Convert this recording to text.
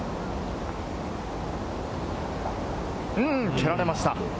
蹴られました。